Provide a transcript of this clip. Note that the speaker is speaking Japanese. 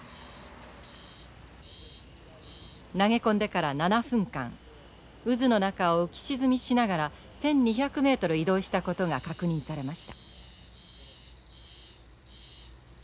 投げ込んでから７分間渦の中を浮き沈みしながら１，２００ｍ移動したことが確認されました。